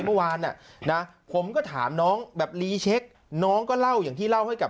เมื่อวานน่ะนะผมก็ถามน้องแบบรีเช็คน้องก็เล่าอย่างที่เล่าให้กับ